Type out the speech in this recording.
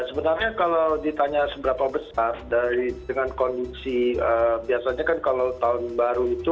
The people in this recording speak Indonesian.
sebenarnya kalau ditanya seberapa besar dengan kondisi biasanya kan kalau tahun baru itu